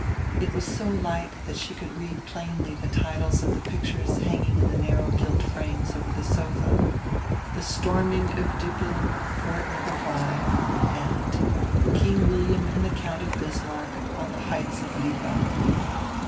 It was so light that she could read plainly the titles of the pictures hanging in narrow gilt frames over the sofa: "The Storming of Diippel, Fort No. 5," and "King William and Gount Bismarck on the Heights of Lipa."